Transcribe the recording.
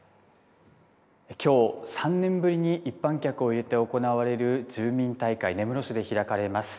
きょう、３年ぶりに一般客を入れて行われる住民大会、根室市で開かれます。